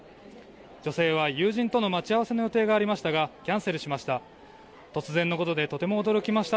女性は友人との待ち合わせの予定がありましたがキャンセルしました。